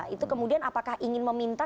itu kemudian apakah ingin meminta